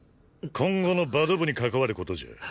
今後のバド部に関わる事じゃ。